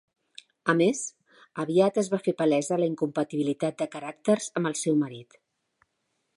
A més, aviat es va fer palesa la incompatibilitat de caràcters amb el seu marit.